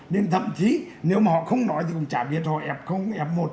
nên thậm chí nếu mà họ không nói thì cũng chả biết họ f f một